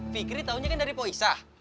fikri taunya kan dari pak isah